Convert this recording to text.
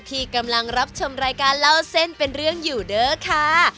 ที่กำลังรับชมรายการเล่าเส้นเป็นเรื่องอยู่เด้อค่ะ